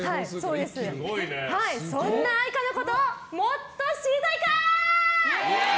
そんな愛花のことをもっと知りたいか！